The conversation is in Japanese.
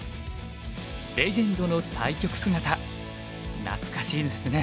レジェンドの対局姿懐かしいですね。